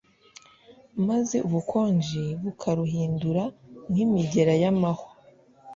maze ubukonje bukaruhindura nk'imigera y'amahwa